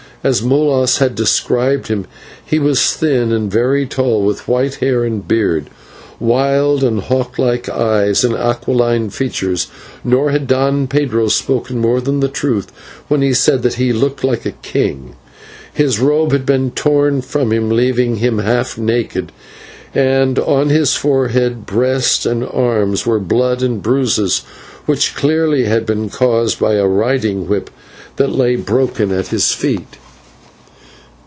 As Molas had described him, he was thin and very tall, with white hair and beard, wild and hawk like eyes, and aquiline features, nor had Don Pedro spoken more than the truth when he said that he looked like a king. His robe had been torn from him, leaving him half naked, and on his forehead, breast, and arms were blood and bruises which clearly had been caused by a riding whip that lay broken at his feet.